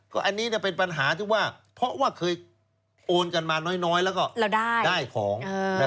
ก็อันนี้เป็นปัญหาที่ว่าเพราะว่าเคยโอนกันมาน้อยแล้วก็ได้ของ